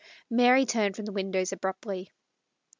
Mary turned from the window abruptly.